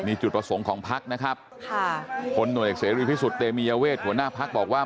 นี่จุดประสงค์ของพักนะครับค่ะพลหน่วยเอกเสรีพิสุทธิ์เตมียเวทหัวหน้าพักบอกว่า